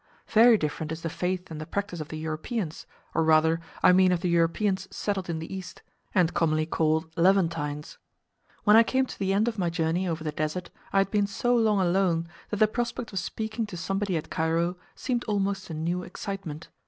Very different is the faith and the practice of the Europeans, or rather, I mean of the Europeans settled in the East, and commonly called Levantines. When I came to the end of my journey over the Desert I had been so long alone, that the prospect of speaking to somebody at Cairo seemed almost a new excitement.